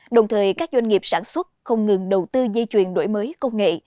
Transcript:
đồng thời các doanh nghiệp sản xuất không ngừng đầu tư dây chuyền đổi mới công nghệ